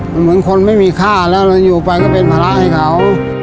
มันเหมือนคนไม่มีค่าแล้วเราอยู่ไปก็เป็นภาระให้เขา